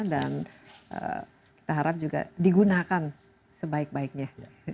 dan kita harap juga digunakan sebaik baiknya